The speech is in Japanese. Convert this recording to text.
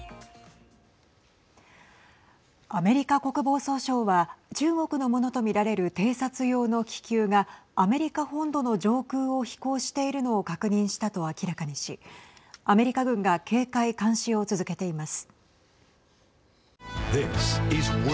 アメリカ国防総省は中国のものと見られる偵察用の気球がアメリカ本土の上空を飛行しているのを確認したと明らかにしアメリカ軍が警戒監視を続けています。